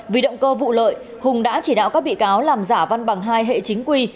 vì động cơ vụ lợi hùng đã chỉ đạo các bị cáo làm giả văn bằng hai hệ chính quy